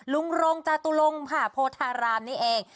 ลุงโรงจาตุรงค์ผ่าโพธารามนี่เอง